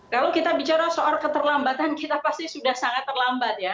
kalau kita bicara soal keterlambatan kita pasti sudah sangat terlambat ya